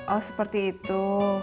oh seperti itu